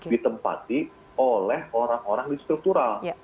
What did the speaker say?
ditempati oleh orang orang di struktural